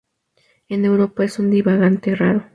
En Europa es un divagante raro.